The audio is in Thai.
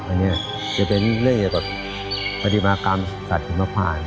อันนี้จะเป็นเรื่องจากปฏิบัติกรรมสถิมภาพ